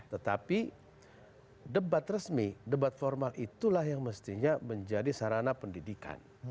tetapi debat resmi debat formal itulah yang mestinya menjadi sarana pendidikan